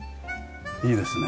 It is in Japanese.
いいですね。